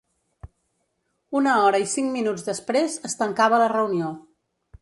Una hora i cinc minuts després, es tancava la reunió.